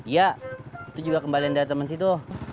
iya itu juga kembali dari teman situ